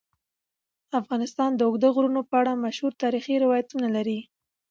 افغانستان د اوږده غرونه په اړه مشهور تاریخی روایتونه لري.